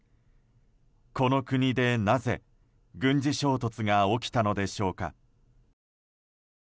この国で、なぜ軍事衝突が起きたのでしょうか。